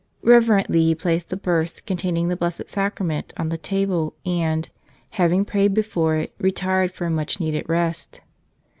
Reverently he placed the burse containing the Blessed Sacrament on the table and, having prayed before it, retired for a much needed rest.